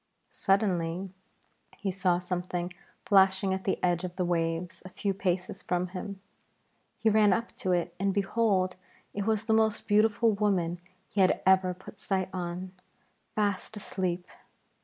Suddenly he saw something flashing at the edge of the waves a few paces from him. He ran up to it and, behold, it was the most beautiful woman he had ever put sight on, fast asleep.